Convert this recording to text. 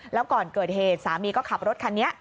แล้วก่อนเกิดเหตุสามีก็ขับรถคันนี้